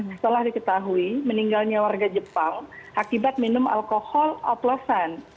setelah diketahui meninggalnya warga jepang akibat minum alkohol oplosan